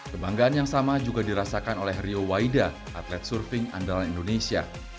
kebanggaan yang sama juga dirasakan oleh rio waida atlet surfing andalan indonesia